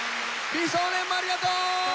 美少年もありがとう！